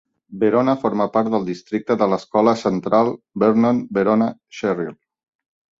Verona forma part del districte de l'Escola Central Vernon-Verona-Sherrill.